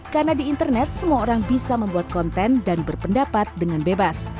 karena di internet semua orang bisa membuat konten dan berpendapat dengan bebas